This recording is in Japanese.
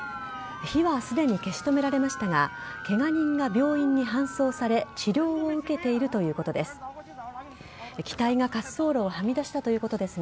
火はすでに消し止められましたがケガ人が病院に搬送され治療を受けているということです。